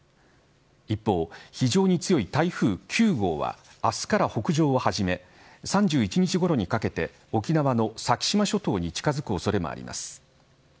一方、非常に強い台風９号は明日から北上をはじめ３１日ごろにかけて沖縄の先島諸島に近づく恐れもあります。